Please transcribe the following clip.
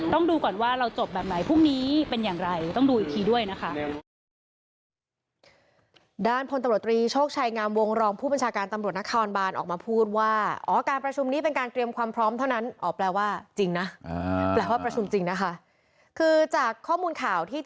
ต้องดูก่อนว่าเราจบแบบไหนพรุ่งนี้เป็นอย่างไร